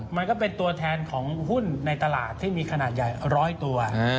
มันก็เป็นตัวแทนของหุ้นในตลาดที่มีขนาดใหญ่๑๐๐ตัว